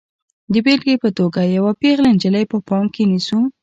د بېلګې په توګه یوه پیغله نجلۍ په پام کې نیسو.